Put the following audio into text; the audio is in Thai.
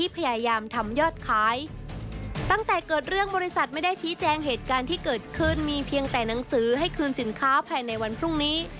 แปลงเหตุการณ์ที่เกิดขึ้นมีเพียงแต่หนังสือให้คืนสินค้าภายในวันพรุ่งนี้